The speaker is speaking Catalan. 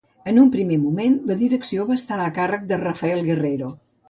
En un primer moment, la direcció va estar a càrrec de Rafael Guerrero.